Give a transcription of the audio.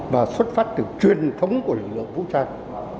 và xuất phát từ truyền thống của lực lượng vũ trang